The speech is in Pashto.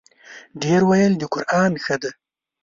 ـ ډېر ویل د قران ښه دی.